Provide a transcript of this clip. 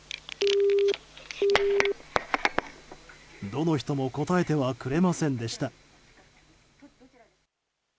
どの人も答えてはくれませんでした。